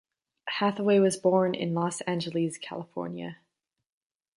Hathaway was born in Los Angeles, California.